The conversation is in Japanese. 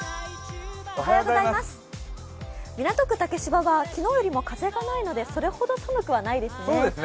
港区竹芝は昨日よりも風がないのでそれほど寒くはないですね。